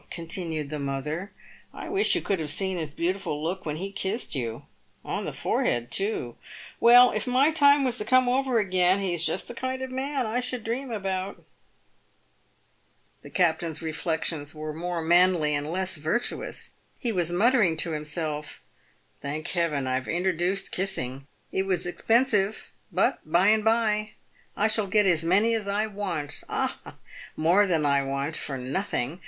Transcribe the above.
continued the mother, " I wish you could have seen his beautiful look when he kissed you. On the forehead, too. x 306 PAVED WITH GOLD. "Well, if my time was to come over again, he is just the kind of man I should dream about." The captain's reflections were more manly and less virtuous. He was muttering to himself, "Thank Heaven, I've introduced kiss ing ! It was expensive, but by and by I shall get as many as I want — ah! more than I want — for nothing.